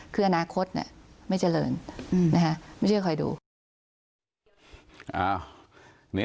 คืออนาคตไม่เจริญไม่เชื่อคอยดู